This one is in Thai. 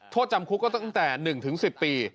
โทษจำคุกก็ตั้งแต่๑๑๐ปี